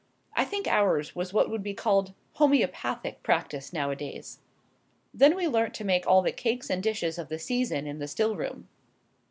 I think ours was what would be called homoeopathic practice now a days. Then we learnt to make all the cakes and dishes of the season in the still room.